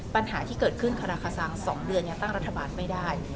ปัญหาที่เกิดขึ้นคาราคาซัง๒เดือนยังตั้งรัฐบาลไม่ได้